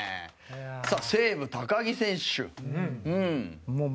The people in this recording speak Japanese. さあ西武高木選手。